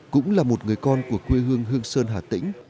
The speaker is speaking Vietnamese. cũng là một người con của quê hương hương sơn hà tĩnh